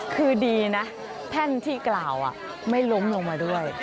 คือดีนะแท่นที่กล่าวไม่ล้มลงมาด้วย